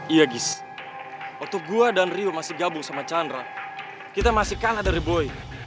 iya gis waktu gua dan rio masih gabung sama chandra kita masih kalah dari boy